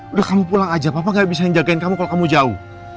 udah kamu pulang aja papa gak bisa yang jagain kamu kalau kamu jauh